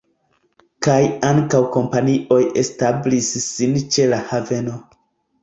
Kaj ankaŭ kompanioj establis sin ĉe la haveno.